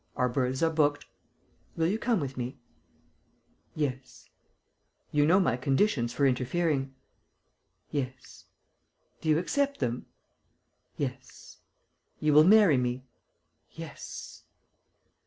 "Our berths are booked. Will you come with me?" "Yes." "You know my conditions for interfering?" "Yes." "Do you accept them?" "Yes." "You will marry me?" "Yes."